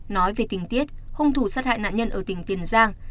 nói về tình tiết hung thủ sát hại nạn nhân ở tỉnh tiền giang